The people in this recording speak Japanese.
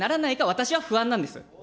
私は不安なんです。